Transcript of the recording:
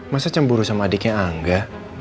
masa cemburu sama adiknya angga